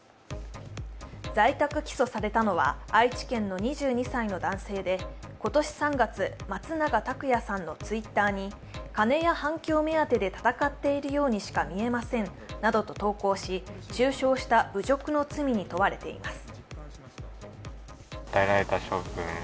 在宅起訴されたのは、愛知県の２２歳の男性で、今年３月、松永拓也さんのＴｗｉｔｔｅｒに「金や反響目当てで闘っているようにして見えません」などと投稿し、中傷した侮辱の罪に問われています。